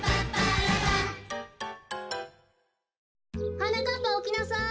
・はなかっぱおきなさい！